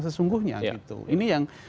sesungguhnya itu ini yang